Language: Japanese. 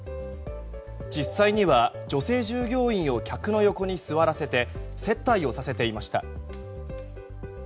実際には女性従業員を客の横に座らせて接待をさせていました。